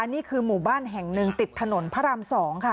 นี่คือหมู่บ้านแห่งหนึ่งติดถนนพระราม๒ค่ะ